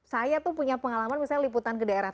saya tuh punya pengalaman misalnya liputan ke daerah